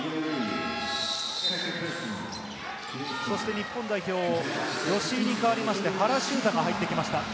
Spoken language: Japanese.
日本代表・吉井に代わりまして、原修太が入ってきました。